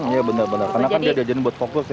iya bener bener karena kan dia diajarin buat fokus ya